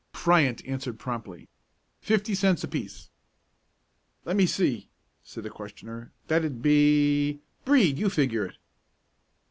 Fryant answered promptly. "Fifty cents apiece." "Let me see," said the questioner, "that'd be Brede, you figure it."